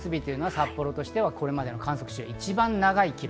札幌としてはこれまでの観測史上、一番長い記録。